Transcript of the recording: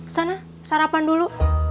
sana sarapan dulu